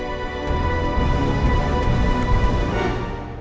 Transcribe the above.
ya aku harus berhasil